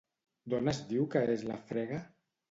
D'on es diu que és la frega?